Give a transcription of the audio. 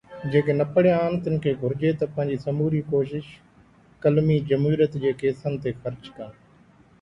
جيڪي نه پڙهيا آهن، تن کي گهرجي ته پنهنجي سموري ڪوشش قلمي جمهوريت جي ڪيسن تي خرچ ڪن.